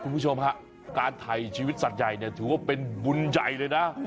คุณผู้ชมฮะการถ่ายชีวิตสัตว์ใหญ่เนี่ยถือว่าเป็นบุญใหญ่เลยนะ